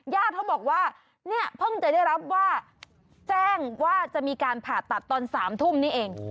เขาบอกว่าเนี่ยเพิ่งจะได้รับว่าแจ้งว่าจะมีการผ่าตัดตอน๓ทุ่มนี่เอง